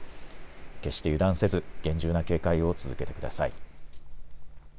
決して油断せず、厳重な警戒を続けてください。